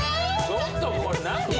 ちょっとこれ何？